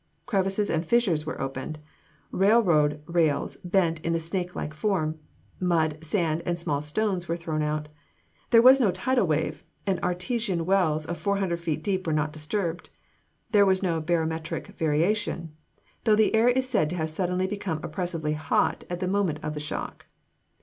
Crevices and fissures were opened; railroad rails bent in a snake like form; mud, sand, and small stones were thrown out. There was no tidal wave, and artesian wells four hundred feet deep were not disturbed. There was no barometric variation, though the air is said to have suddenly become oppressively hot at the moment of the shock.